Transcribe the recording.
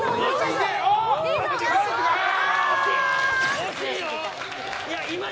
惜しいよ！